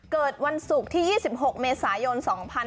เกิดวันศุกร์ที่๒๖เมษายน๒๕๖๒